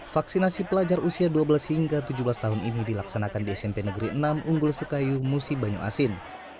vaksinasi pelajar usia dua belas hingga tujuh belas tahun ini dilaksanakan di smp negeri enam unggul sekayu musi banyu asin